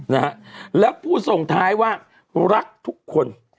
นะฮะแล้วผู้ส่งท้ายว่ารักทุกคน